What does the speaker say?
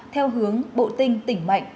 theo hướng bộ tinh tỉnh mạnh